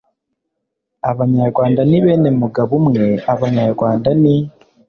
abanyarwanda ni bene mugabo umwe abanyarwanda ni